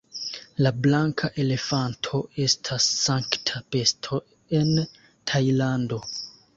La blanka elefanto estas sankta besto en Tajlando.